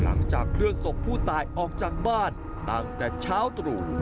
เคลื่อนศพผู้ตายออกจากบ้านตั้งแต่เช้าตรู่